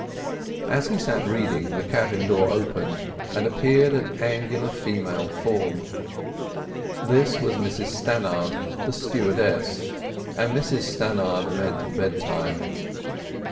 As he sat reading, the cabin door opened, and appeared an angular female form. This was Mrs Stannard, the stewardess, and Mrs Stannard meant bedtime.